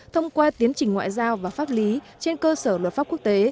thông qua tiến trình ngoại giao và pháp lý trên cơ sở luật pháp quốc tế